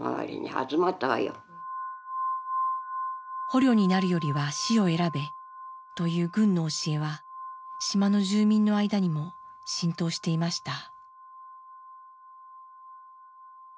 「捕虜になるよりは死を選べ」という軍の教えは島の住民の間にも浸透していました。